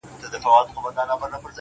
نه زما زخم د لکۍ سي جوړېدلای،